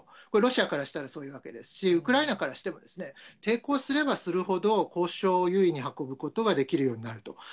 これ、ロシアからしたらそういうわけですし、ウクライナからしてもですね、抵抗すればするほど、交渉を優位に運ぶことができるようになると。